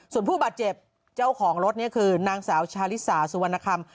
ส่วนผู้บาดเจ็บเจ้าของรถนี่คือนางสาวชาลิสาสุวรรณคำ